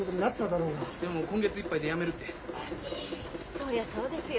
そりゃそうですよ。